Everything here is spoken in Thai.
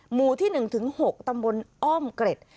หมู่ที่๑๖ตำบลอ้อมเกร็ด